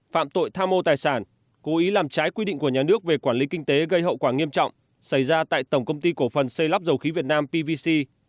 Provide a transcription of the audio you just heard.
phạm tội tham mô tài sản cố ý làm trái quy định của nhà nước về quản lý kinh tế gây hậu quả nghiêm trọng xảy ra tại tổng công ty cổ phần xây lắp dầu khí việt nam pvc